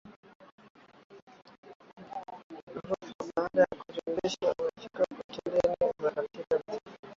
ghorofani mara baada ya kumjulisha nimeshafika hotelini hapo Akiwa katika vazi la kiimichezo Kagere